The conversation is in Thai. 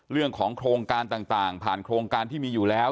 เรื่องของโครงการต่างผ่านโครงการที่มีอยู่แล้ว